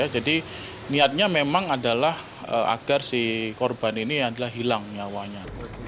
jadi niatnya memang adalah agar si korban ini adalah hilang nyawanya